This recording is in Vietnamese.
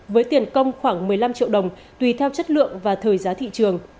với tiền công khoảng một mươi năm triệu đồng tùy theo chất lượng và thời giá thị trường